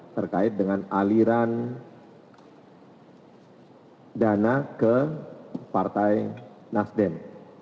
terkait dengan aliran dana ke partai nasdem